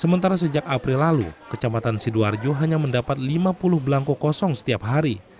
sementara sejak april lalu kecamatan sidoarjo hanya mendapat lima puluh belangko kosong setiap hari